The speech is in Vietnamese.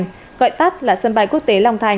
gọi tắt là sân bay quốc tế long thành